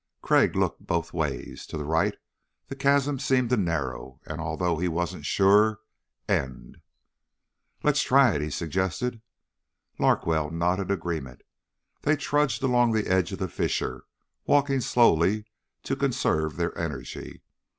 Crag looked both ways. To the right the chasm seemed to narrow and, although he wasn't sure, end. "Let's try it," he suggested. Larkwell nodded agreement. They trudged along the edge of the fissure, walking slowly to conserve their energy.